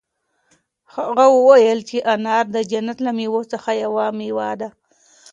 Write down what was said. هغه وویل چې انار د جنت له مېوو څخه یوه مېوه ده.